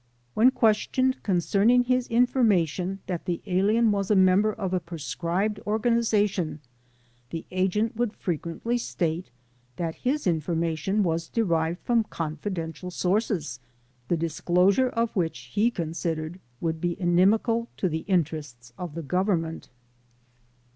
When questioned concerning his information that the alien was a member of a proscribed organization, the agent would frequently state that his information was derived from confidential sources the disclosure of which he considered would be inimical to the interests of the Government.